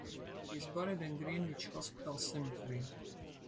He is buried in Greenwich Hospital Cemetery.